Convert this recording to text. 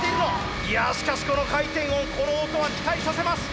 いやしかしこの回転音この音は期待させます！